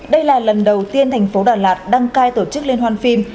đây là lần đầu tiên thành phố đà lạt đăng cai tổ chức liên hoan phim